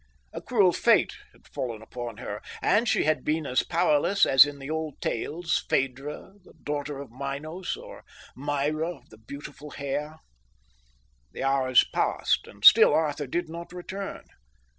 A cruel fate had fallen upon her, and she had been as powerless as in the old tales Phaedra, the daughter of Minos, or Myrrha of the beautiful hair. The hours passed, and still Arthur did not return.